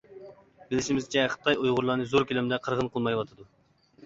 بىلىشىمىزچە، خىتاي ئۇيغۇرلارنى زور كۆلەمدە قىرغىن قىلمايۋاتىدۇ.